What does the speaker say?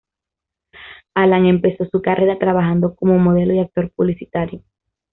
Alan empezó su carrera trabajando como modelo y actor publicitario.